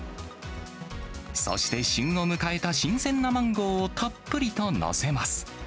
そして旬を迎えた新鮮なマンゴーをたっぷりと載せます。